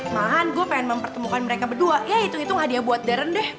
malahan gue pengen mempertemukan mereka berdua ya hitung hitung hadiah buat darren deh